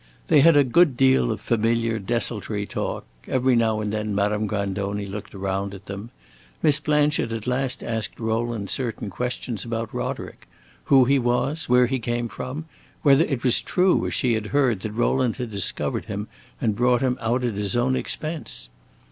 They had a good deal of familiar, desultory talk. Every now and then Madame Grandoni looked round at them. Miss Blanchard at last asked Rowland certain questions about Roderick: who he was, where he came from, whether it was true, as she had heard, that Rowland had discovered him and brought him out at his own expense.